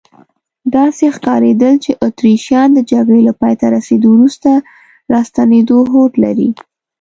داسې ښکارېدل چې اتریشیان د جګړې له پایته رسیدو وروسته راستنېدو هوډ لري.